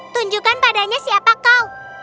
tunjukkan padanya siapa kau